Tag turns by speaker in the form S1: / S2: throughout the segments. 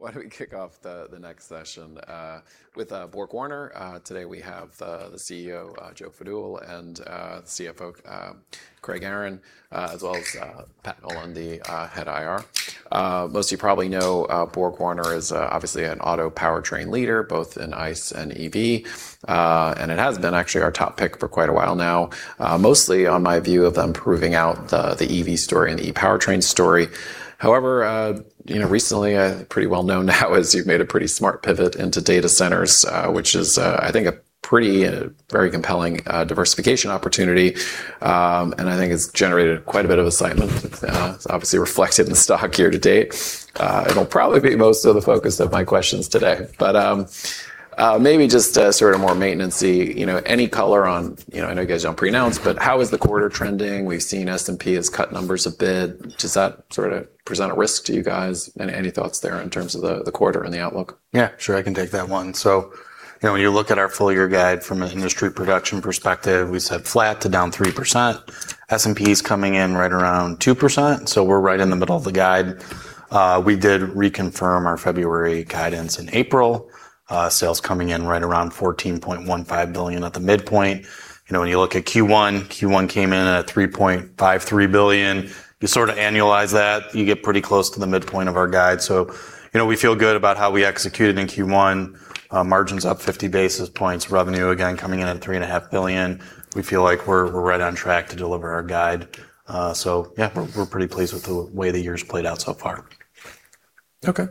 S1: Why don't we kick off the next session with BorgWarner. Today, we have the CEO, Joe Fadool, and the CFO, Craig Aaron as well as Pat Nolan, the Head of IR. Most of you probably know BorgWarner is obviously an auto powertrain leader, both in ICE and EV. It has been actually our top pick for quite a while now. Mostly on my view of them proving out the EV story and the ePowertrain story. However, recently, pretty well known now is you've made a pretty smart pivot into data centers, which is, I think, a pretty, very compelling diversification opportunity. It's generated quite a bit of excitement. It's obviously reflected in the stock year to date. It'll probably be most of the focus of my questions today. Maybe just more maintenance-y, any color on, I know you guys don't pre-announce, but how is the quarter trending? We've seen S&P has cut numbers a bit. Does that present a risk to you guys? Any thoughts there in terms of the quarter and the outlook?
S2: Yeah, sure. I can take that one. When you look at our full-year guide from an industry production perspective, we said flat to down 3%. S&P is coming in right around 2%, so we're right in the middle of the guide. We did reconfirm our February guidance in April. Sales coming in right around $14.15 billion at the midpoint. When you look at Q1 came in at $3.53 billion. You annualize that, you get pretty close to the midpoint of our guide. We feel good about how we executed in Q1. Margins up 50 basis points. Revenue, again, coming in at three and a half billion. We feel like we're right on track to deliver our guide. Yeah, we're pretty pleased with the way the year's played out so far.
S1: Okay.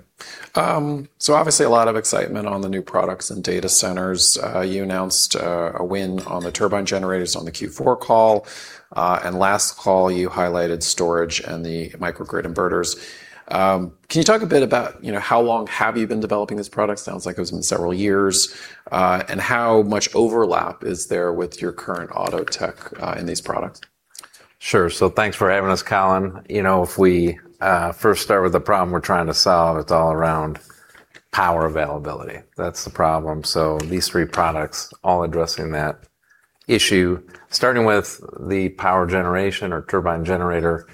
S1: Obviously a lot of excitement on the new products and data centers. You announced a win on the turbine generators on the Q4 call. Last call you highlighted storage and the microgrid inverters. Can you talk a bit about how long have you been developing this product? Sounds like it was several years. How much overlap is there with your current auto tech in these products?
S2: Sure. Thanks for having us, Colin. If we first start with the problem we're trying to solve, it's all around power availability. That's the problem. These three products, all addressing that issue. Starting with the power generation or turbine generator,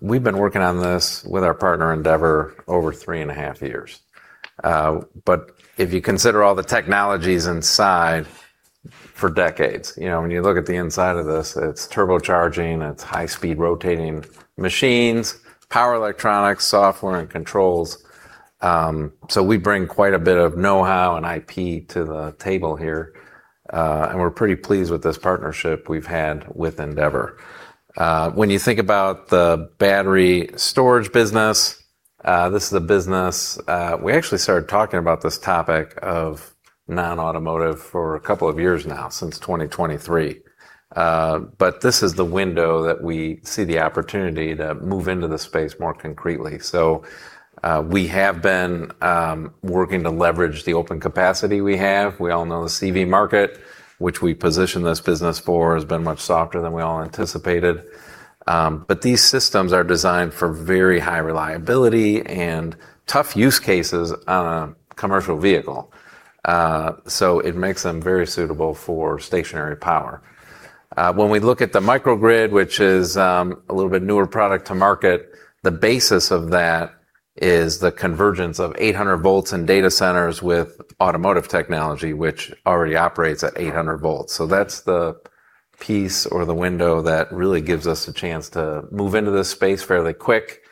S2: we've been working on this with our partner, Endeavour, over three and a half years. If you consider all the technologies inside, for decades. When you look at the inside of this, it's turbocharging, it's high-speed rotating machines, power electronics, software and controls. We bring quite a bit of knowhow and IP to the table here. We're pretty pleased with this partnership we've had with Endeavour. When you think about the battery storage business, this is a business. We actually started talking about this topic of non-automotive for a couple of years now, since 2023. This is the window that we see the opportunity to move into the space more concretely. We have been working to leverage the open capacity we have. We all know the CV market, which we positioned this business for, has been much softer than we all anticipated. These systems are designed for very high reliability and tough use cases on a commercial vehicle. It makes them very suitable for stationary power. When we look at the microgrid, which is a little bit newer product to market, the basis of that is the convergence of 800 volts in data centers with automotive technology, which already operates at 800 volts. That's the piece or the window that really gives us a chance to move into this space fairly quick.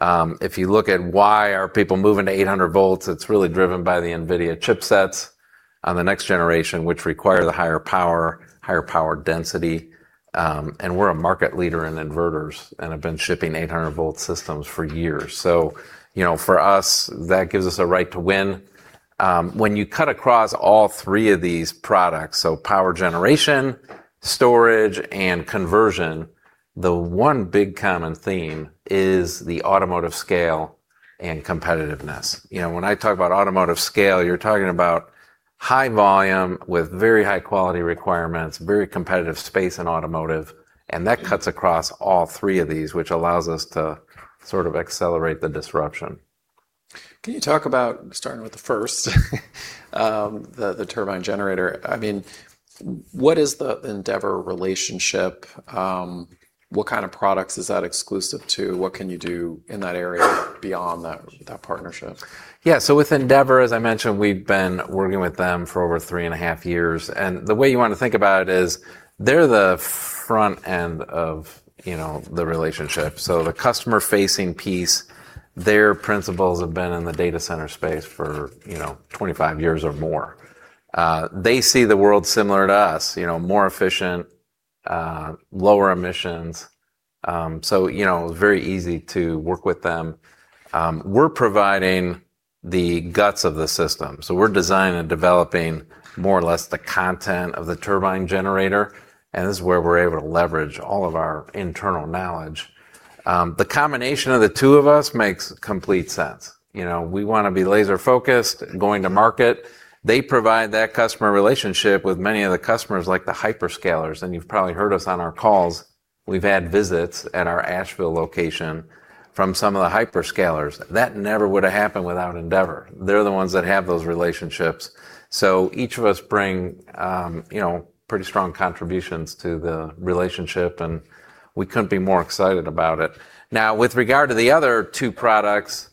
S2: If you look at why are people moving to 800 volts, it's really driven by the NVIDIA chipsets on the next generation, which require the higher power, higher power density. We're a market leader in inverters and have been shipping 800-volt systems for years. For us, that gives us a right to win. When you cut across all three of these products, power generation, storage, and conversion, the one big common theme is the automotive scale and competitiveness. When I talk about automotive scale, you're talking about high volume with very high quality requirements, very competitive space in automotive, and that cuts across all three of these, which allows us to accelerate the disruption.
S1: Can you talk about, starting with the first, the turbine generator. What is the Endeavour relationship? What kind of products is that exclusive to? What can you do in that area beyond that partnership?
S2: With Endeavour, as I mentioned, we've been working with them for over three and a half years. The way you want to think about it is they're the front end of the relationship. The customer-facing piece, their principals have been in the data center space for 25 years or more. They see the world similar to us, more efficient, lower emissions. Very easy to work with them. We're providing the guts of the system. We're designing and developing more or less the content of the turbine generator. This is where we're able to leverage all of our internal knowledge. The combination of the two of us makes complete sense. We want to be laser-focused going to market. They provide that customer relationship with many of the customers, like the hyperscalers. You've probably heard us on our calls, we've had visits at our Asheville location from some of the hyperscalers. That never would've happened without Endeavour. They're the ones that have those relationships. Each of us bring pretty strong contributions to the relationship, and we couldn't be more excited about it. Now, with regard to the other two products.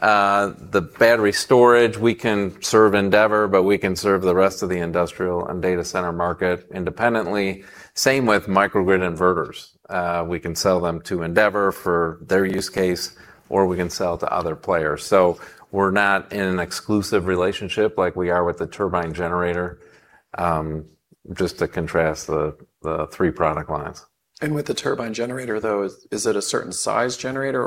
S2: The battery storage, we can serve Endeavour, but we can serve the rest of the industrial and data center market independently. Same with microgrid inverters. We can sell them to Endeavour for their use case, or we can sell to other players. We're not in an exclusive relationship like we are with the turbine generator, just to contrast the three product lines.
S1: With the turbine generator, though, is it a certain size generator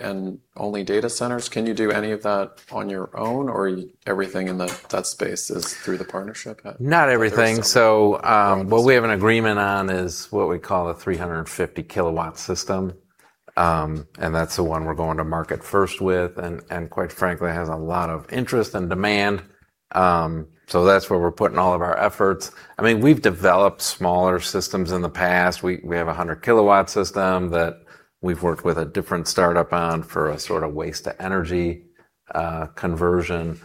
S1: and only data centers? Can you do any of that on your own, or everything in that space is through the partnership at-
S2: Not everything. What we have an agreement on is what we call a 350 kilowatt system. That's the one we're going to market first with, quite frankly, has a lot of interest and demand. That's where we're putting all of our efforts. We've developed smaller systems in the past. We have 100 kilowatt system that we've worked with a different startup on for a sort of waste-to-energy conversion.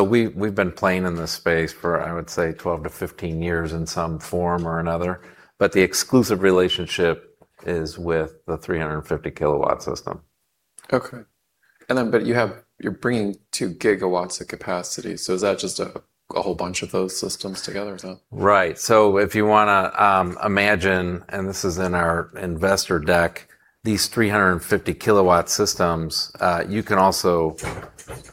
S2: We've been playing in this space for, I would say, 12 to 15 years in some form or another. The exclusive relationship is with the 350 kilowatt system.
S1: Okay. You're bringing 2 GW of capacity. Is that just a whole bunch of those systems together or no?
S2: Right. If you want to imagine, and this is in our investor deck, these 350 kilowatt systems, you can also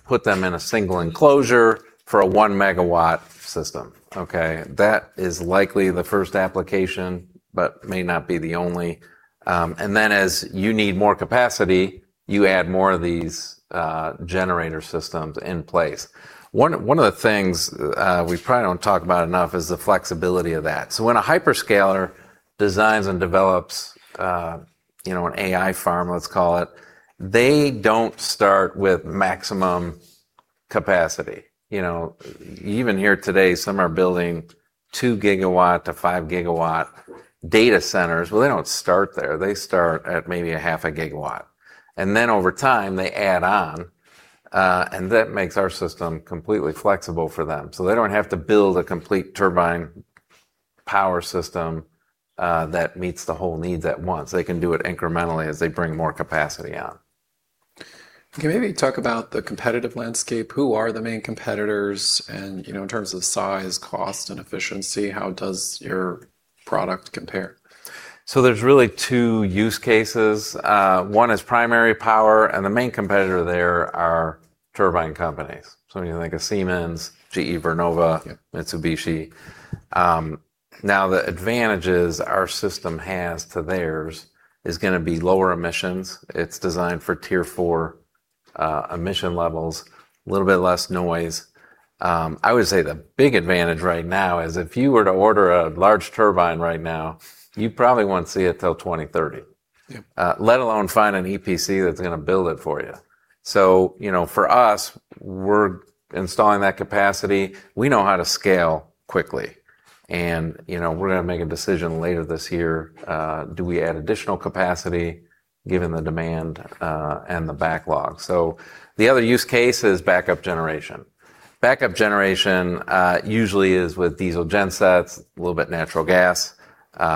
S2: put them in a single enclosure for a 1 MW system. Okay. That is likely the first application, but may not be the only. As you need more capacity, you add more of these generator systems in place. One of the things we probably don't talk about enough is the flexibility of that. When a hyperscaler designs and develops an AI farm, let's call it, they don't start with maximum capacity. Even here today, some are building 2 GW to 5 GW data centers, but they don't start there. They start at maybe a 0.5 GW, and then over time they add on. That makes our system completely flexible for them, so they don't have to build a complete turbine power system that meets the whole needs at once. They can do it incrementally as they bring more capacity on.
S1: Can you maybe talk about the competitive landscape? Who are the main competitors? In terms of size, cost, and efficiency, how does your product compare?
S2: There's really two use cases. One is primary power, and the main competitor there are turbine companies, when you think of Siemens, GE Vernova.
S1: Yeah
S2: Mitsubishi. The advantages our system has to theirs is going to be lower emissions. It's designed for Tier 4 emission levels, a little bit less noise. I would say the big advantage right now is if you were to order a large turbine right now, you probably won't see it till 2030.
S1: Yeah.
S2: Let alone find an EPC that's going to build it for you. For us, we're installing that capacity. We know how to scale quickly, and we're going to make a decision later this year, do we add additional capacity given the demand and the backlog? The other use case is backup generation. Backup generation usually is with diesel gensets, a little bit natural gas.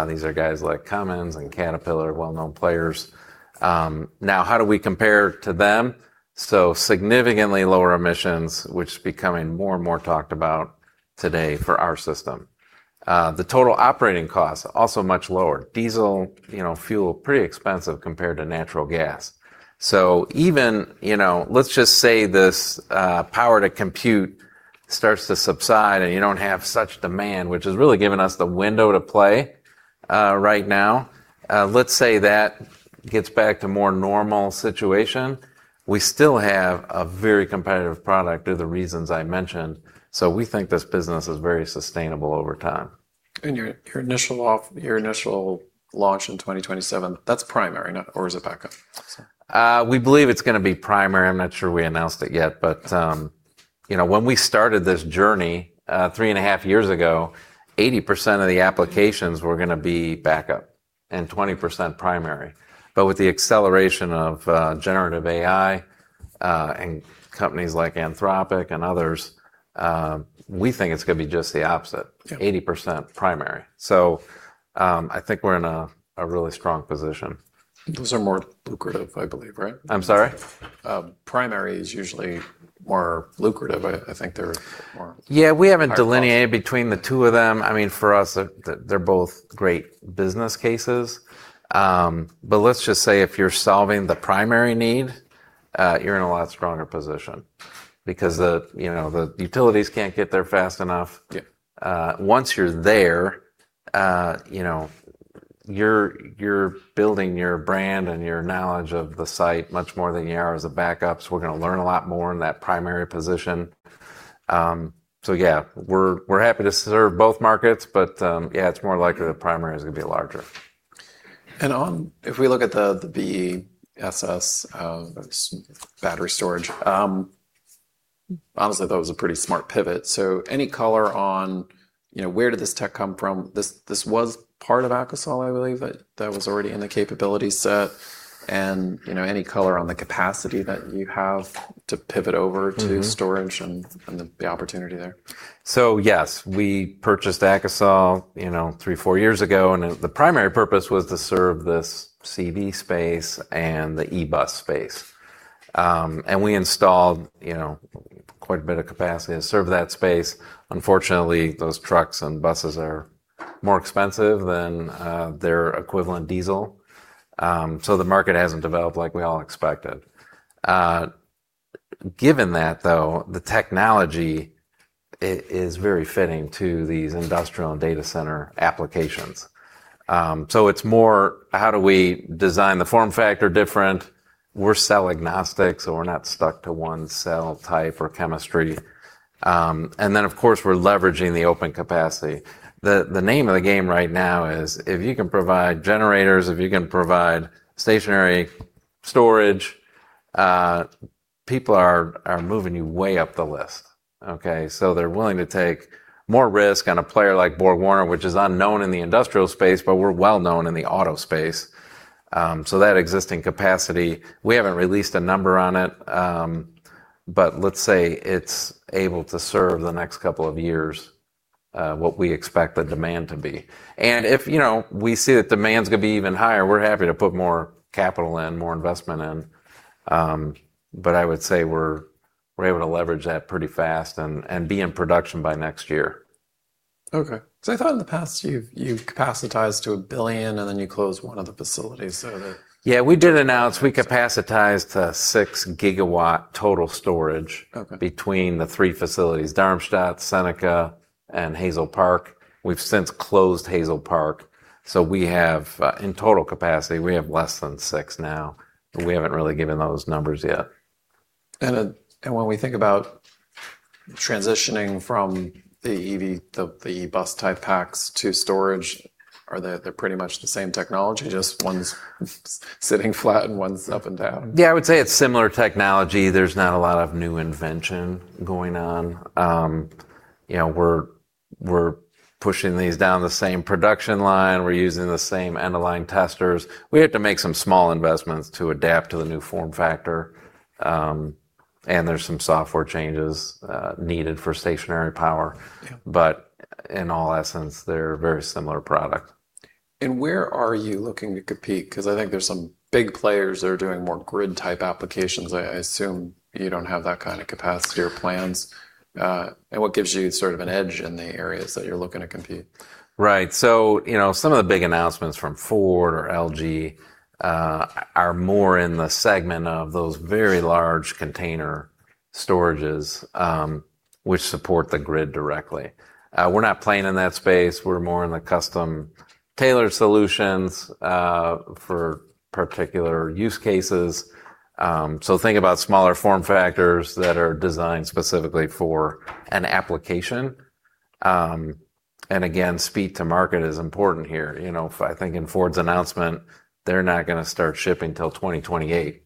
S2: These are guys like Cummins and Caterpillar, well-known players. How do we compare to them? Significantly lower emissions, which is becoming more and more talked about today for our system. The total operating costs are also much lower. Diesel fuel, pretty expensive compared to natural gas. Even, let's just say this power to compute starts to subside and you don't have such demand, which has really given us the window to play right now. Let's say that gets back to more normal situation, we still have a very competitive product through the reasons I mentioned. We think this business is very sustainable over time.
S1: Your initial launch in 2027, that's primary or is it backup?
S2: We believe it's going to be primary. I'm not sure we announced it yet. When we started this journey three and a half years ago, 80% of the applications were going to be backup and 20% primary. With the acceleration of generative AI and companies like Anthropic and others, we think it's going to be just the opposite.
S1: Yeah.
S2: 80% primary. I think we're in a really strong position.
S1: Those are more lucrative, I believe, right?
S2: I'm sorry?
S1: Primary is usually more lucrative.
S2: Yeah, we haven't delineated.
S1: higher profits
S2: between the two of them. For us, they're both great business cases. Let's just say if you're solving the primary need, you're in a lot stronger position because the utilities can't get there fast enough.
S1: Yeah.
S2: Once you're there, you're building your brand and your knowledge of the site much more than you are as a backup, so we're going to learn a lot more in that primary position. Yeah, we're happy to serve both markets, but yeah, it's more likely the primary is going to be larger.
S1: If we look at the BESS battery storage, honestly, that was a pretty smart pivot. Any color on where did this tech come from? This was part of AKASOL, I believe, that was already in the capability set and any color on the capacity that you have to pivot over to storage- The opportunity there.
S2: Yes, we purchased AKASOL three, four years ago, and the primary purpose was to serve this CV space and the e-bus space. We installed quite a bit of capacity to serve that space. Unfortunately, those trucks and buses are more expensive than their equivalent diesel. The market hasn't developed like we all expected. Given that, though, the technology is very fitting to these industrial and data center applications. It's more, how do we design the form factor different? We're cell agnostic, so we're not stuck to one cell type or chemistry. Of course, we're leveraging the open capacity. The name of the game right now is, if you can provide generators, if you can provide stationary storage, people are moving you way up the list. Okay? They're willing to take more risk on a player like BorgWarner, which is unknown in the industrial space, but we're well-known in the auto space. That existing capacity, we haven't released a number on it, but let's say it's able to serve the next couple of years, what we expect the demand to be. If we see that demand's going to be even higher, we're happy to put more capital in, more investment in. I would say we're able to leverage that pretty fast and be in production by next year.
S1: Okay. Because I thought in the past, you've capacitized to $1 billion, you closed one of the facilities.
S2: Yeah, we did announce, we capacitized a six-gigawatt total storage.
S1: Okay
S2: between the three facilities, Darmstadt, Seneca, and Hazel Park. We've since closed Hazel Park. We have, in total capacity, we have less than six now, but we haven't really given those numbers yet.
S1: When we think about transitioning from the EV, the bus-type packs to storage, or they're pretty much the same technology, just one's sitting flat and one's up and down.
S2: Yeah, I would say it's similar technology. There's not a lot of new invention going on. We're pushing these down the same production line. We're using the same end-of-line testers. We had to make some small investments to adapt to the new form factor. There's some software changes needed for stationary power.
S1: Yeah.
S2: In all essence, they're a very similar product.
S1: Where are you looking to compete? I think there's some big players that are doing more grid-type applications. I assume you don't have that kind of capacity or plans. What gives you sort of an edge in the areas that you're looking to compete?
S2: Right. Some of the big announcements from Ford or LG are more in the segment of those very large container storages, which support the grid directly. We're not playing in that space. We're more in the custom-tailored solutions, for particular use cases. Think about smaller form factors that are designed specifically for an application. Again, speed to market is important here. I think in Ford's announcement, they're not going to start shipping till 2028.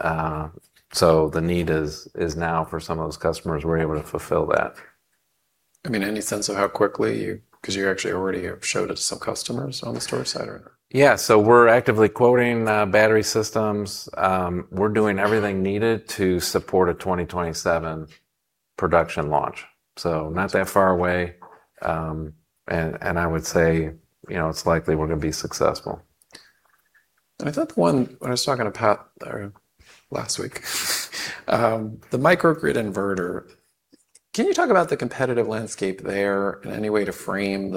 S2: The need is now for some of those customers. We're able to fulfill that.
S1: Any sense of how quickly you actually already have showed it to some customers on the storage side, or?
S2: Yeah. We're actively quoting battery systems. We're doing everything needed to support a 2027 production launch. Not that far away. I would say it's likely we're going to be successful.
S1: I thought the one, when I was talking to Pat last week, the microgrid inverter, can you talk about the competitive landscape there and any way to frame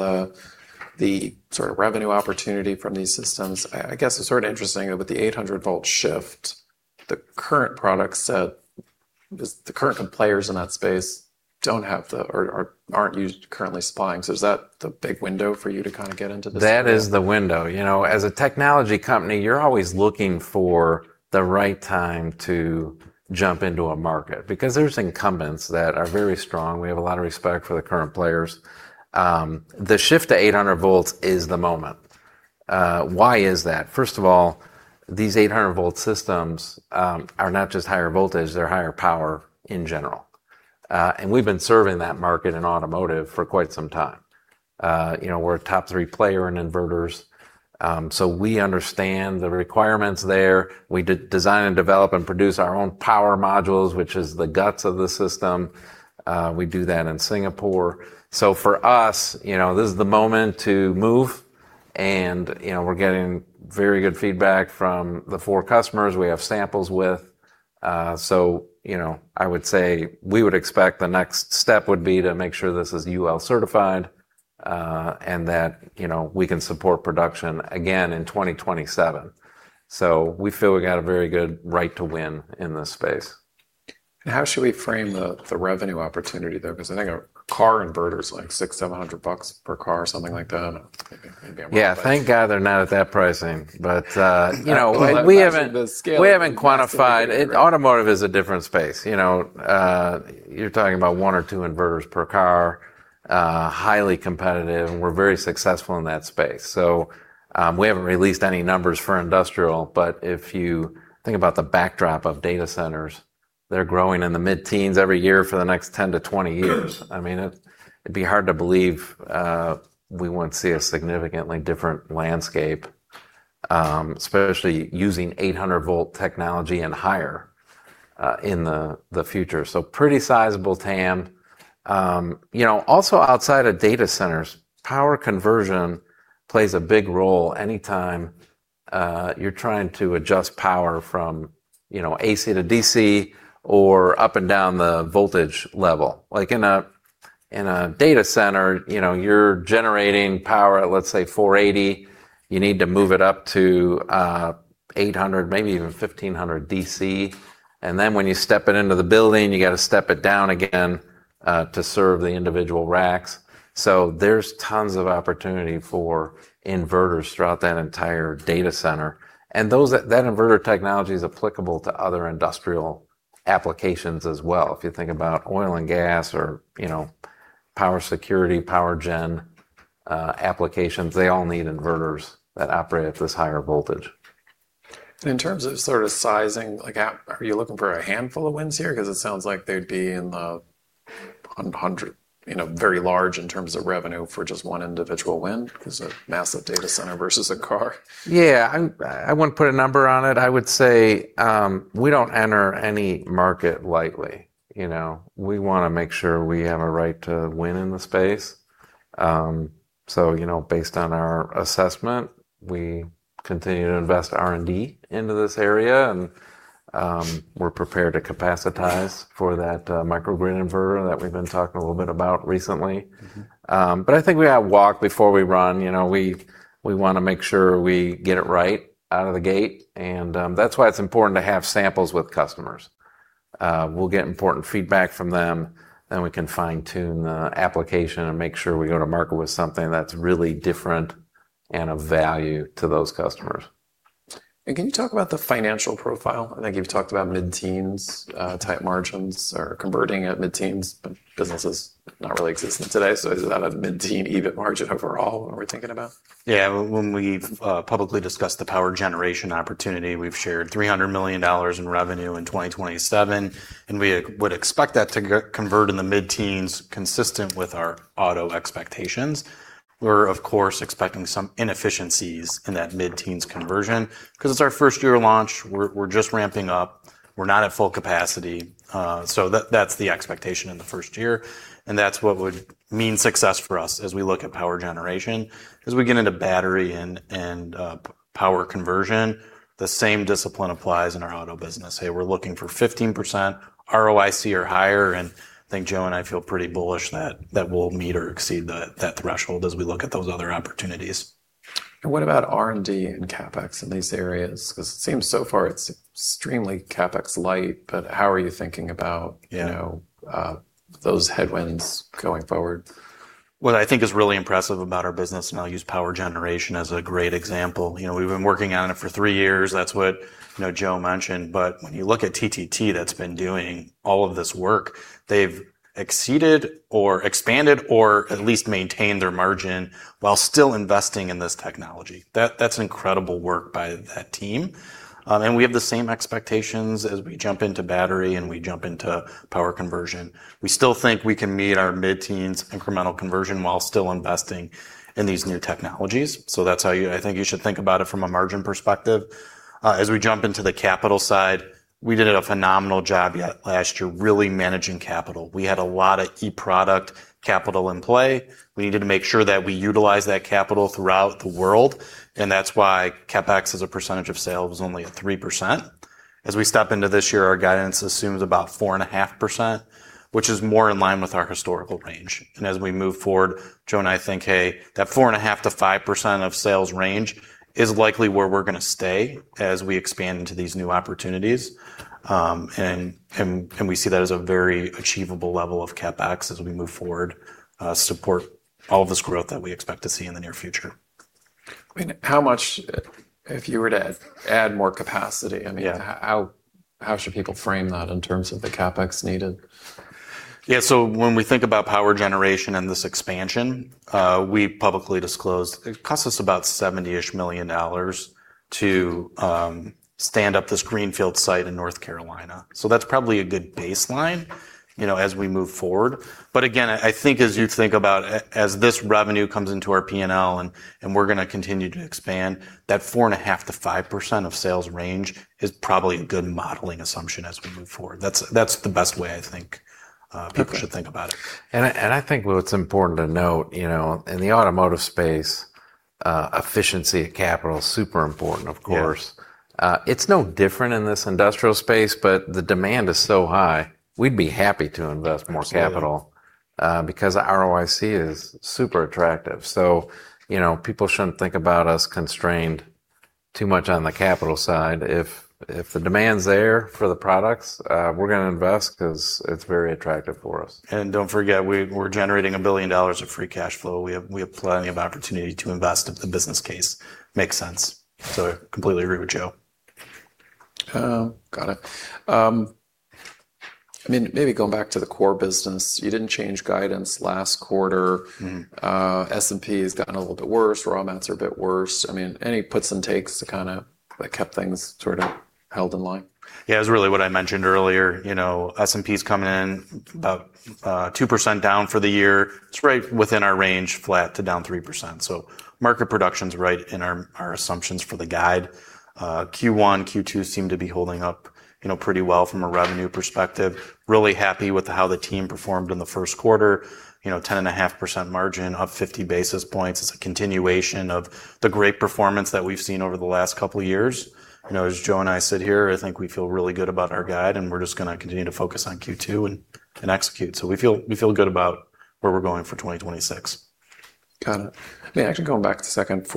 S1: the sort of revenue opportunity from these systems? I guess it's sort of interesting that with the 800-volt shift, the current product set, the current players in that space don't have the, or aren't currently supplying. Is that the big window for you to kind of get into this field?
S2: That is the window. As a technology company, you're always looking for the right time to jump into a market because there's incumbents that are very strong. We have a lot of respect for the current players. The shift to 800 volts is the moment. Why is that? First of all, these 800-volt systems are not just higher voltage, they're higher power in general. We've been serving that market in automotive for quite some time. We're a top three player in inverters. We understand the requirements there. We design and develop and produce our own power modules, which is the guts of the system. We do that in Singapore. For us, this is the moment to move, and we're getting very good feedback from the four customers we have samples with. I would say we would expect the next step would be to make sure this is UL certified, and that we can support production again in 2027. We feel we got a very good right to win in this space.
S1: How should we frame the revenue opportunity there? Because I think a car inverter is like $600, $700 per car or something like that. I don't know. Maybe I'm way off.
S2: Yeah. Thank God they're not at that pricing.
S1: I'm just asking the scale
S2: We haven't quantified. Automotive is a different space. You're talking about one or two inverters per car, highly competitive, and we're very successful in that space. We haven't released any numbers for industrial, but if you think about the backdrop of data centers, they're growing in the mid-teens every year for the next 10-20 years. I mean, it'd be hard to believe we wouldn't see a significantly different landscape, especially using 800-volt technology and higher in the future. Pretty sizable TAM. Also outside of data centers, power conversion plays a big role anytime you're trying to adjust power from AC to DC or up and down the voltage level. Like in a data center, you're generating power at, let's say 480, you need to move it up to 800, maybe even 1500 DC. Then when you step it into the building, you got to step it down again to serve the individual racks. There's tons of opportunity for inverters throughout that entire data center. That inverter technology is applicable to other industrial applications as well. If you think about oil and gas or power security, power gen applications, they all need inverters that operate at this higher voltage.
S1: In terms of sizing, are you looking for a handful of wins here? Because it sounds like they'd be very large in terms of revenue for just one individual win, because a massive data center versus a car.
S2: Yeah. I wouldn't put a number on it. I would say we don't enter any market lightly. We want to make sure we have a right to win in the space. Based on our assessment, we continue to invest R&D into this area, and we're prepared to capacitize for that microgrid inverter that we've been talking a little bit about recently. I think we walk before we run. We want to make sure we get it right out of the gate, and that's why it's important to have samples with customers. We'll get important feedback from them, then we can fine-tune the application and make sure we go to market with something that's really different and of value to those customers.
S1: Can you talk about the financial profile? I think you've talked about mid-teens type margins or converting at mid-teens, but business is not really existing today, so is it at a mid-teen EBIT margin overall, are we thinking about?
S3: Yeah. When we've publicly discussed the power generation opportunity, we've shared $300 million in revenue in 2027, and we would expect that to convert in the mid-teens, consistent with our auto expectations. We're, of course, expecting some inefficiencies in that mid-teens conversion because it's our first year of launch. We're just ramping up. We're not at full capacity. That's the expectation in the first year, and that's what would mean success for us as we look at power generation. As we get into battery and power conversion, the same discipline applies in our auto business. Hey, we're looking for 15% ROIC or higher, and I think Joe and I feel pretty bullish that we'll meet or exceed that threshold as we look at those other opportunities.
S1: What about R&D and CapEx in these areas? It seems so far it's extremely CapEx light, but how are you thinking about- Yeah those headwinds going forward?
S3: What I think is really impressive about our business, and I'll use power generation as a great example. We've been working on it for three years. That's what Joe mentioned, but when you look at TTT that's been doing all of this work, they've exceeded or expanded or at least maintained their margin while still investing in this technology. That's incredible work by that team. We have the same expectations as we jump into battery and we jump into power conversion. We still think we can meet our mid-teens incremental conversion while still investing in these new technologies. That's how I think you should think about it from a margin perspective. As we jump into the capital side, we did a phenomenal job last year really managing capital. We had a lot of e-product capital in play. We needed to make sure that we utilized that capital throughout the world, and that's why CapEx as a percentage of sales was only at 3%. As we step into this year, our guidance assumes about 4.5%, which is more in line with our historical range. As we move forward, Joe and I think, hey, that 4.5%-5% of sales range is likely where we're going to stay as we expand into these new opportunities. We see that as a very achievable level of CapEx as we move forward, support all of this growth that we expect to see in the near future.
S1: How much, if you were to add more capacity- How should people frame that in terms of the CapEx needed?
S3: Yeah. When we think about power generation and this expansion, we publicly disclosed, it costs us about $70 million to stand up this greenfield site in North Carolina. That's probably a good baseline, as we move forward. Again, I think as you think about, as this revenue comes into our P&L and we're going to continue to expand, that 4.5%-5% of sales range is probably a good modeling assumption as we move forward. That's the best way I think people should think about it. I think what's important to note, in the automotive space, efficiency of capital is super important, of course.
S2: Yeah. It's no different in this industrial space, but the demand is so high we'd be happy to invest more capital. Absolutely because the ROIC is super attractive, so people shouldn't think about us constrained too much on the capital side. If the demand's there for the products, we're going to invest because it's very attractive for us.
S3: Don't forget, we're generating $1 billion of free cash flow. We have plenty of opportunity to invest if the business case makes sense. Completely agree with Joe.
S1: Got it. Maybe going back to the core business, you didn't change guidance last quarter. S&P has gotten a little bit worse. Raw mats are a bit worse. Any puts and takes that kept things held in line?
S3: Yeah. It was really what I mentioned earlier. S&P's coming in about 2% down for the year. It's right within our range, flat to down 3%. Market production's right in our assumptions for the guide. Q1, Q2 seem to be holding up pretty well from a revenue perspective. Really happy with how the team performed in the first quarter, 10.5% margin, up 50 basis points. It's a continuation of the great performance that we've seen over the last couple of years. As Joe and I sit here, I think we feel really good about our guide, and we're just going to continue to focus on Q2 and execute. We feel good about where we're going for 2026.
S1: Got it. Actually, going back a second,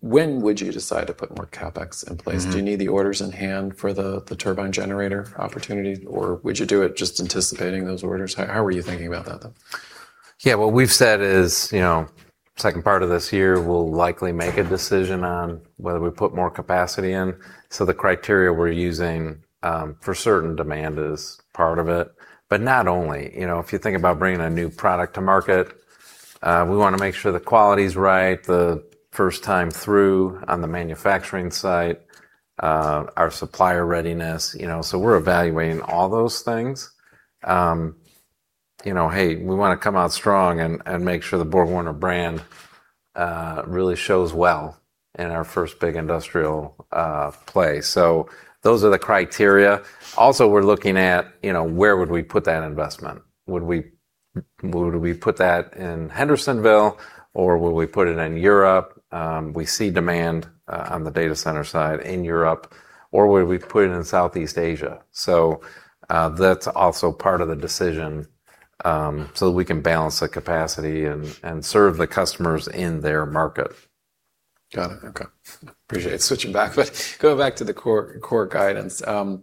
S1: when would you decide to put more CapEx in place? Do you need the orders in hand for the turbine generator opportunity, or would you do it just anticipating those orders? How are you thinking about that, though?
S2: Yeah. What we've said is, second part of this year, we'll likely make a decision on whether we put more capacity in. The criteria we're using for certain demand is part of it, but not only. If you think about bringing a new product to market, we want to make sure the quality's right the first time through on the manufacturing side, our supplier readiness. We're evaluating all those things. Hey, we want to come out strong and make sure the BorgWarner brand really shows well in our first big industrial play. Those are the criteria. Also, we're looking at where would we put that investment? Would we put that in Hendersonville, or would we put it in Europe? We see demand on the data center side in Europe. Or would we put it in Southeast Asia? That's also part of the decision, so that we can balance the capacity and serve the customers in their market.
S1: Got it. Okay. Appreciate it. Switching back, but going back to the core guidance. One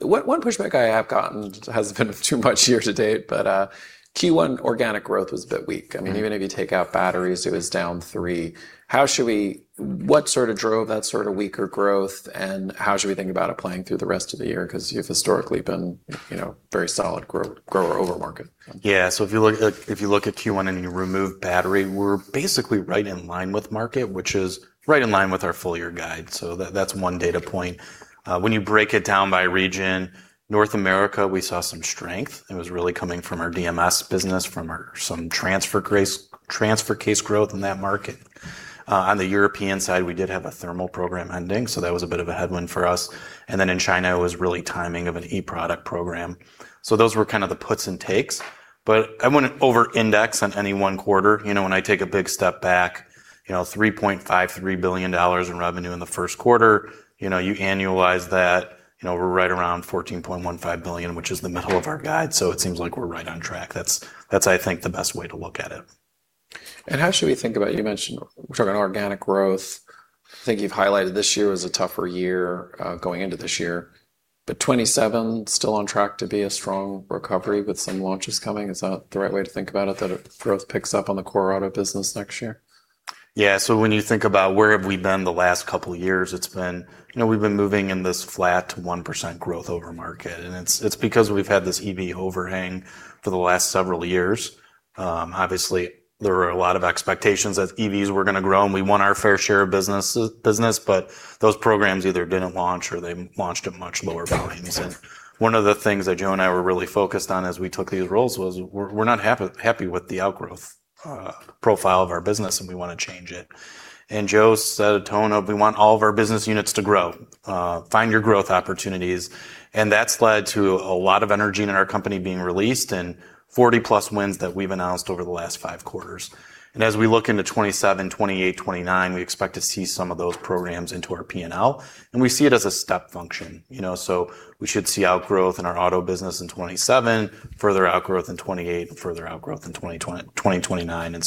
S1: pushback I have gotten has been with too much year to date, but Q1 organic growth was a bit weak. Even if you take out batteries, it was down three. What drove that weaker growth, and how should we think about it playing through the rest of the year? You've historically been very solid grower over market.
S3: Yeah. If you look at Q1 and you remove battery, we're basically right in line with market, which is right in line with our full-year guide. That's one data point. When you break it down by region, North America, we saw some strength. It was really coming from our DMS business, from some transfer case growth in that market. On the European side, we did have a thermal program ending, so that was a bit of a headwind for us. In China, it was really timing of an e-product program. Those were the puts and takes, but I wouldn't over-index on any one quarter. When I take a big step back, $3.53 billion in revenue in the first quarter. You annualize that, we're right around $14.15 billion, which is the middle of our guide. It seems like we're right on track.
S2: That's, I think, the best way to look at it.
S1: How should we think about, you mentioned, we're talking organic growth. I think you've highlighted this year as a tougher year going into this year. 2027 still on track to be a strong recovery with some launches coming. Is that the right way to think about it, that growth picks up on the core auto business next year?
S3: When you think about where have we been the last couple of years, we've been moving in this flat to 1% growth over market. It's because we've had this EV overhang for the last several years. Obviously, there were a lot of expectations that EVs were going to grow, and we want our fair share of business. Those programs either didn't launch or they launched at much lower volumes. One of the things that Joe and I were really focused on as we took these roles was we're not happy with the outgrowth profile of our business, and we want to change it. Joe set a tone of we want all of our business units to grow, find your growth opportunities.
S2: That's led to a lot of energy in our company being released and 40+ wins that we've announced over the last five quarters. As we look into 2027, 2028, 2029, we expect to see some of those programs into our P&L, and we see it as a step function. We should see outgrowth in our auto business in 2027, further outgrowth in 2028, and further outgrowth in 2029.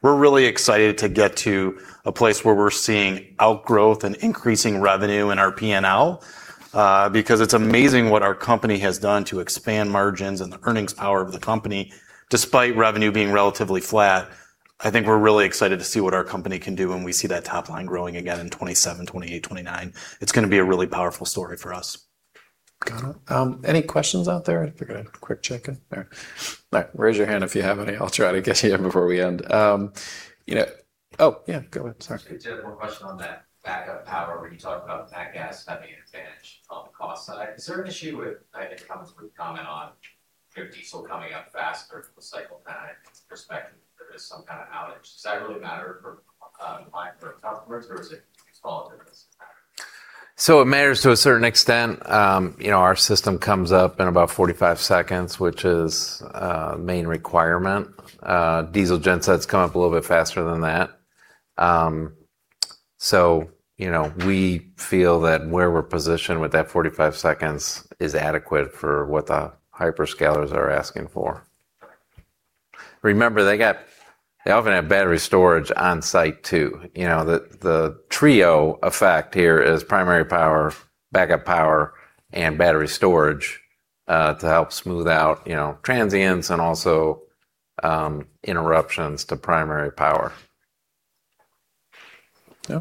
S2: We're really excited to get to a place where we're seeing outgrowth and increasing revenue in our P&L, because it's amazing what our company has done to expand margins and the earnings power of the company, despite revenue being relatively flat. I think we're really excited to see what our company can do when we see that top line growing again in 2027, 2028, 2029. It's going to be a really powerful story for us.
S1: Got it. Any questions out there? Figure a quick check in. All right. Raise your hand if you have any. I'll try to get to you before we end. Oh, yeah. Go ahead. Sorry.
S4: Just had one more question on that backup power, where you talked about natural gas having an advantage on the cost side. Is there an issue with, I guess, comment on your diesel coming up faster with the cycle time perspective if there is some kind of outage? Does that really matter for customers, or is it small business?
S2: It matters to a certain extent. Our system comes up in about 45 seconds, which is a main requirement. Diesel gensets come up a little bit faster than that. We feel that where we're positioned with that 45 seconds is adequate for what the hyperscalers are asking for. Remember, they often have battery storage on site, too. The trio effect here is primary power, backup power, and battery storage to help smooth out transients and also interruptions to primary power.
S1: Yeah.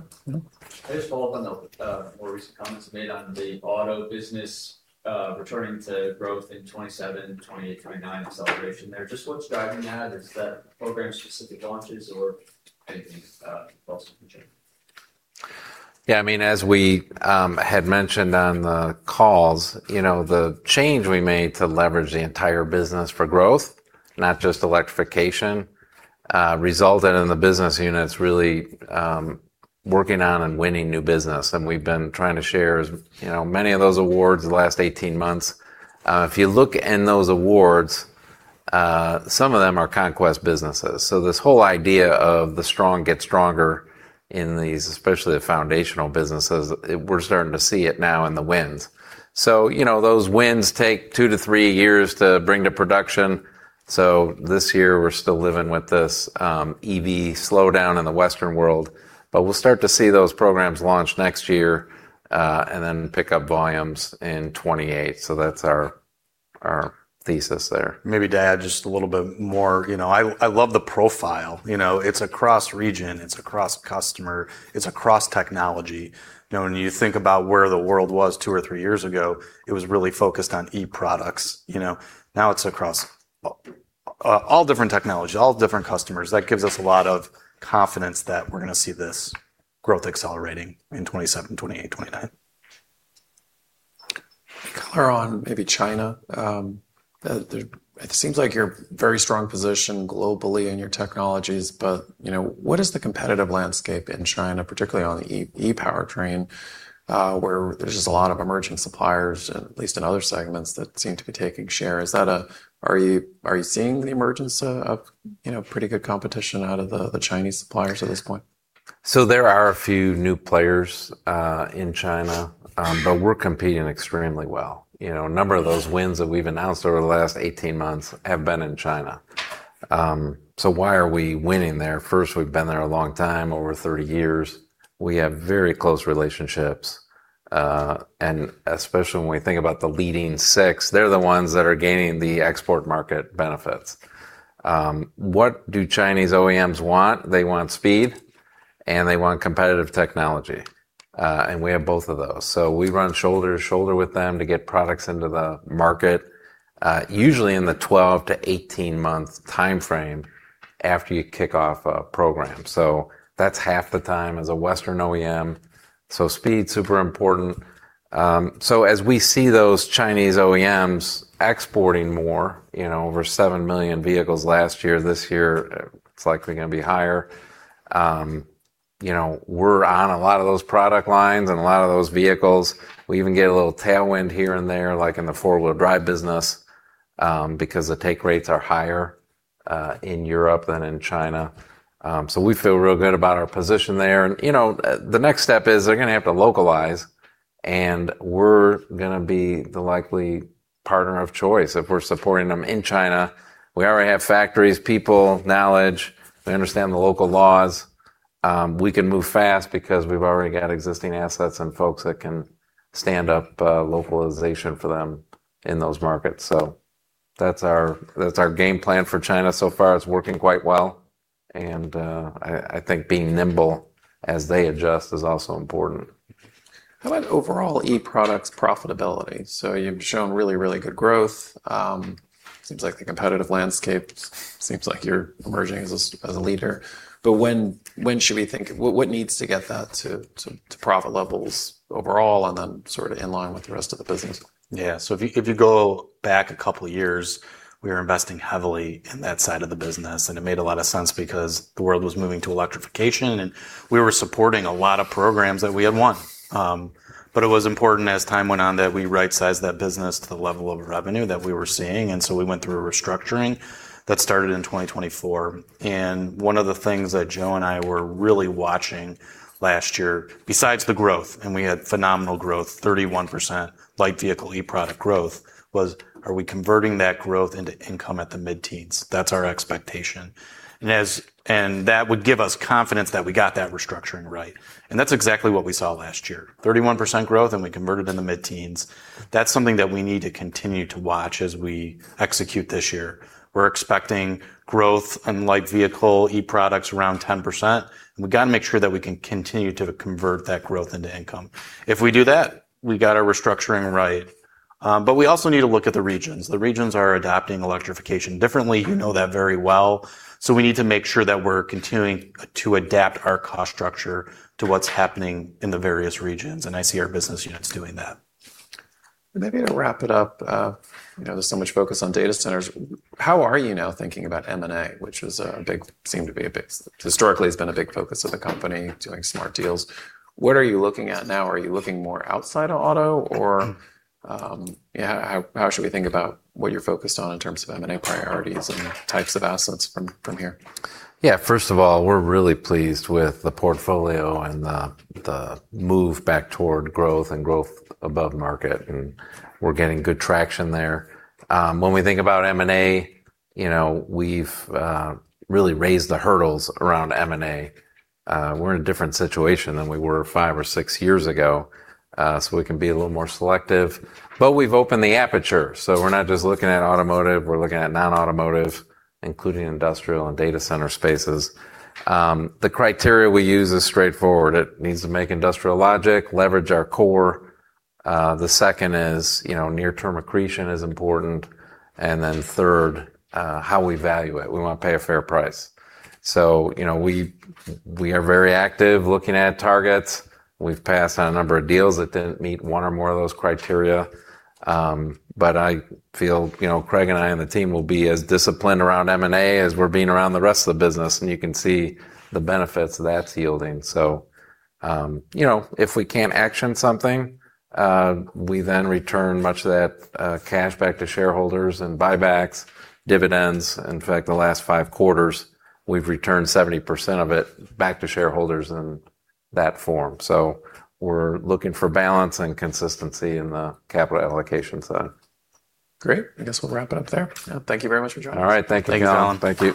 S4: Can I just follow up on the more recent comments made on the auto business returning to growth in 2027, 2028, 2029 acceleration there. Just what's driving that? Is that program specific launches or
S1: Anything else from Joe?
S2: As we had mentioned on the calls, the change we made to leverage the entire business for growth, not just electrification, resulted in the business units really working on and winning new business. We've been trying to share many of those awards the last 18 months. If you look in those awards, some of them are conquest businesses. This whole idea of the strong get stronger in these, especially the foundational businesses, we're starting to see it now in the wins. Those wins take two to three years to bring to production. This year we're still living with this EV slowdown in the Western world, but we'll start to see those programs launch next year, and then pick up volumes in 2028. That's our thesis there.
S3: Maybe to add just a little bit more. I love the profile. It's across region, it's across customer, it's across technology. When you think about where the world was two or three years ago, it was really focused on electronic products. Now it's across all different technology, all different customers. That gives us a lot of confidence that we're going to see this growth accelerating in 2027, 2028, 2029.
S1: Color on maybe China. It seems like you're very strong position globally in your technologies, but what is the competitive landscape in China, particularly on the ePowertrain, where there's just a lot of emerging suppliers, at least in other segments, that seem to be taking share. Are you seeing the emergence of pretty good competition out of the Chinese suppliers at this point?
S2: There are a few new players in China, but we're competing extremely well. A number of those wins that we've announced over the last 18 months have been in China. Why are we winning there? First, we've been there a long time, over 30 years. We have very close relationships, and especially when we think about the leading six, they're the ones that are gaining the export market benefits. What do Chinese OEMs want? They want speed and they want competitive technology. We have both of those. We run shoulder to shoulder with them to get products into the market, usually in the 12 to 18-month timeframe after you kick off a program. That's half the time as a Western OEM. Speed, super important. As we see those Chinese OEMs exporting more, over seven million vehicles last year; this year, it's likely going to be higher. We're on a lot of those product lines and a lot of those vehicles. We even get a little tailwind here and there, like in the four-wheel drive business, because the take rates are higher in Europe than in China. We feel real good about our position there. The next step is they're going to have to localize, and we're going to be the likely partner of choice if we're supporting them in China. We already have factories, people, knowledge. We understand the local laws. We can move fast because we've already got existing assets and folks that can stand up localization for them in those markets. That's our game plan for China. It's working quite well, and I think being nimble as they adjust is also important.
S1: How about overall e-products profitability? You've shown really good growth. Seems like the competitive landscape, seems like you're emerging as a leader. What needs to get that to profit levels overall and then sort of in line with the rest of the business?
S3: If you go back a couple of years, we were investing heavily in that side of the business, and it made a lot of sense because the world was moving to electrification, and we were supporting a lot of programs that we had won. It was important as time went on, that we right-sized that business to the level of revenue that we were seeing. We went through a restructuring that started in 2024. One of the things that Joe and I were really watching last year, besides the growth, and we had phenomenal growth, 31% light vehicle e-product growth, was, are we converting that growth into income at the mid-teens? That's our expectation. That would give us confidence that we got that restructuring right. That's exactly what we saw last year. 31% growth and we converted in the mid-teens. That's something that we need to continue to watch as we execute this year. We're expecting growth in light vehicle e-products around 10%, and we've got to make sure that we can continue to convert that growth into income. If we do that, we got our restructuring right. We also need to look at the regions. The regions are adapting electrification differently. You know that very well. We need to make sure that we're continuing to adapt our cost structure to what's happening in the various regions, and I see our business units doing that.
S1: Maybe to wrap it up, there's so much focus on data centers. How are you now thinking about M&A, which historically has been a big focus of the company, doing smart deals. What are you looking at now? Are you looking more outside of auto or how should we think about what you're focused on in terms of M&A priorities and types of assets from here?
S2: Yeah. First of all, we're really pleased with the portfolio and the move back toward growth and growth above market, and we're getting good traction there. When we think about M&A, we've really raised the hurdles around M&A. We're in a different situation than we were five or six years ago. We can be a little more selective. We've opened the aperture. We're not just looking at automotive, we're looking at non-automotive, including industrial and data center spaces. The criteria we use is straightforward. It needs to make industrial logic, leverage our core. The second is near-term accretion is important. Third, how we value it. We want to pay a fair price. We are very active looking at targets. We've passed on a number of deals that didn't meet one or more of those criteria. I feel Craig and I and the team will be as disciplined around M&A as we're being around the rest of the business, and you can see the benefits that's yielding. If we can't action something, we then return much of that cash back to shareholders in buybacks, dividends. In fact, the last five quarters, we've returned 70% of it back to shareholders in that form. We're looking for balance and consistency in the capital allocation side.
S1: Great. I guess we'll wrap it up there. Thank you very much for joining us.
S2: All right. Thank you, Colin.
S3: Thank you, Colin.
S2: Thank you.